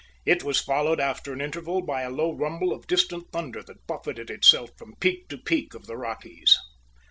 It was followed after an interval by a low rumble of distant thunder that buffeted itself from peak to peak of the Rockies.